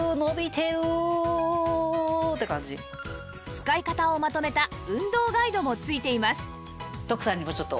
使い方をまとめた運動ガイドも付いています